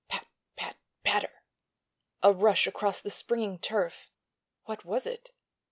Pat—pat—patter! A rush across the springing turf. What was it?